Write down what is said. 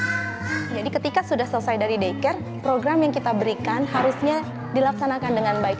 jadi ketika sudah selesai dari deker program yang kita berikan harusnya dilaksanakan dengan baik